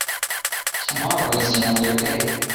Tomorrow is another day.